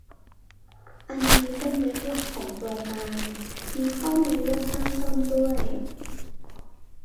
อันนี้เป็นเว็บหลักของโครงการ มีข้อมูลเลือกตั้งซ่อมด้วย